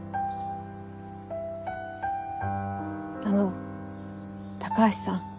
あの高橋さん。